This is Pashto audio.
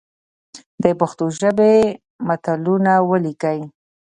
د پښتو ژبي متلونه ولیکئ!